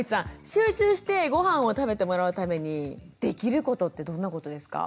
集中してごはんを食べてもらうためにできることってどんなことですか？